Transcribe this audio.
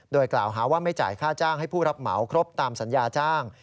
โดยกล่าวหาว่าไม่จ่ายค่าจ้างให้ผู้รับเหมาครบตามสัญญาจ้าง